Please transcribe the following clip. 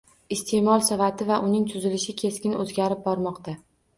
Iste'mol savati va uning tuzilishi keskin o'zgarib bormoqda